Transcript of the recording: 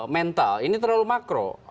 mental ini terlalu makro